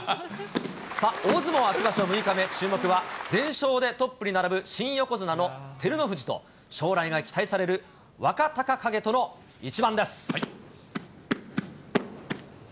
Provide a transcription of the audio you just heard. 大相撲秋場所６日目、注目は全勝でトップに並ぶ新横綱の照ノ富士と、将来が期待される若隆景との一番です。